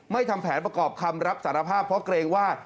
ทำแผนประกอบคำรับสารภาพเพราะเกรงว่า